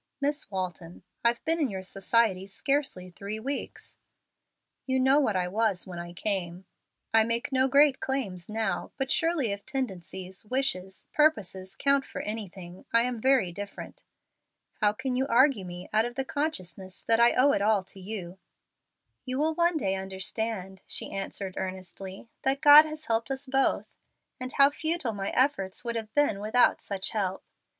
Miss Walton, I've been in your society scarcely three weeks. You know what I was when I came. I make no great claims now, but surely if tendencies, wishes, purposes count for anything, I am very different. How can you argue me out of the consciousness that I owe it all to you?" "You will one day understand," she answered, earnestly, "that God has helped us both, and how futile my efforts would have been without such help.